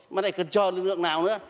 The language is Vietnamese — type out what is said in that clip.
mà này cần cho lực lượng nào nữa